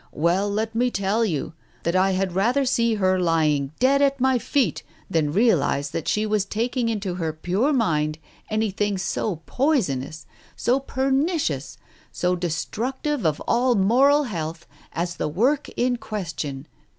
"Well, let me tell you, that I had rather see her lying dead at my feet than realize that she was taking into her pure mind anything so poisonous, so per nicious, so destructive of all moral health as the work in question.